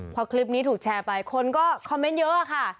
พอคลิปนี้ถูกแชร์ไปคนก็คอมเมนต์เยอะค่ะ